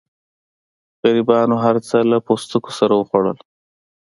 غریبانو هر څه له پوستکو سره وخوړل.